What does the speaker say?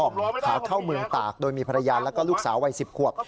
ขาเข้าเมืองตากโดยมีภรรยาแล้วก็ลูกสาววัย๑๐ขวบ